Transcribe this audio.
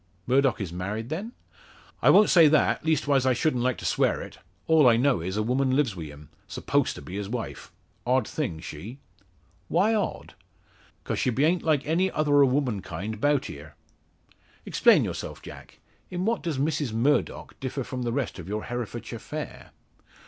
"Murdock is married, then?" "I won't say that leastwise I shouldn't like to swear it. All I know is, a woman lives wi' him, s'posed to be his wife. Odd thing she." "Why odd?" "'Cause she beant like any other o' womankind 'bout here." "Explain yourself, Jack. In what does Mrs Murdock differ from the rest of your Herefordshire fair?"